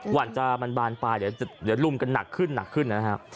หวั่นจะบานไปเดี๋ยวลุมกันหนักขึ้นนะครับ